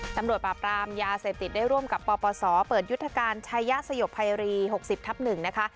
จำโดยปราบรามยาเสพติดได้ร่วมกับปปศเปิดยุทธการชายยาสยบพยาบาลีหกสิบทับหนึ่งนะคะ